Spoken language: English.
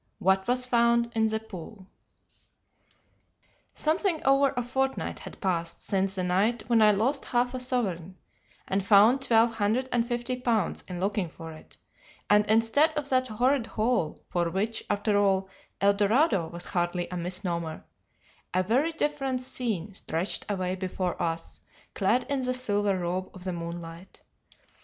WHAT WAS FOUND IN THE POOL "Something over a fortnight had passed since the night when I lost half a sovereign and found twelve hundred and fifty pounds in looking for it, and instead of that horrid hole, for which, after all, Eldorado was hardly a misnomer, a very different scene stretched away before us clad in the silver robe of the moonlight.